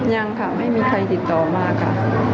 ยังค่ะไม่มีใครติดต่อมาค่ะ